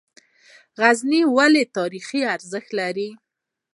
غزني ولې تاریخي ارزښت لري؟